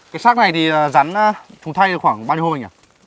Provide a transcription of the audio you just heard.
cái sát này thì rắn trùng thay khoảng bao nhiêu hôm anh ạ